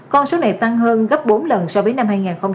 con số này tăng hơn gấp bốn lần so với năm hai nghìn một mươi